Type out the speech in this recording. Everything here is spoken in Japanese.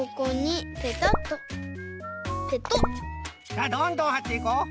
さあどんどんはっていこう！